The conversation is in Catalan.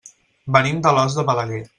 Venim d'Alòs de Balaguer.